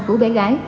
của bé gái